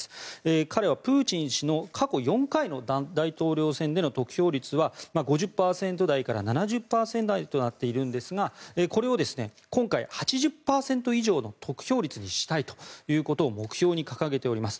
彼はプーチン氏の過去４回の大統領選の得票率は５０％台から７０％台となっているんですがこれを今回、８０％以上の得票率にしたいということを目標に掲げております。